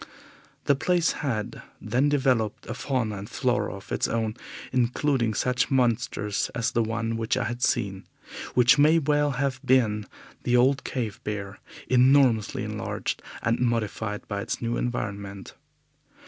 This place had then developed a fauna and flora of its own, including such monsters as the one which I had seen, which may well have been the old cave bear, enormously enlarged and modified by its new environment.